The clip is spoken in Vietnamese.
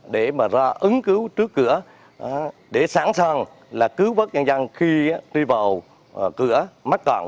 để mà ra ứng cứu trước cửa để sẵn sàng là cứu vất nhân dân khi đi vào cửa mắc cạn